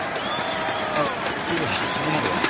あいやそこまでは。